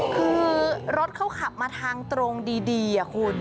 คือรถเขาขับมาทางตรงดีคุณ